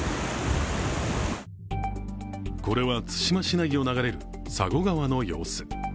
これは対馬市内を流れる佐護川の様子。